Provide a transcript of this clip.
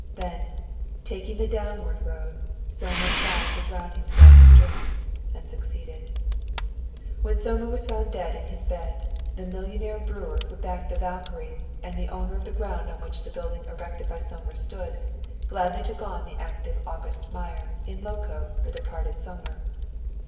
Then, taking the downward road, Sohmer tried to drown himself in drink, and succeeded. When Sohmer was found dead in his bed, the millionaire brewer who backed the "Valkyrie," and the owner of the ground on which the building erected by Sohmer stood, gladly took on the active August Meyer in loco the departed Sohmer.